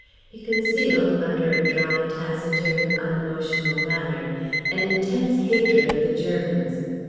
He concealed under a dry, taciturn, unemotional manner an intense hatred of the Germans.